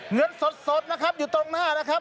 เงินสดนะครับอยู่ตรงหน้านะครับ